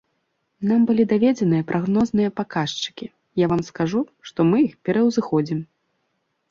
Нам былі даведзеныя прагнозныя паказчыкі, я вам скажу, што мы іх пераўзыходзім.